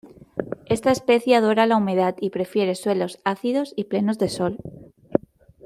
Esta especie adora la humedad y prefiere suelos ácidos y plenos de sol.